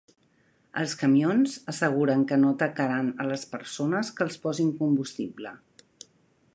Els camions asseguren que no atacaran a les persones que els posin combustible.